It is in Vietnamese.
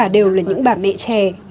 đều là những bà mẹ trẻ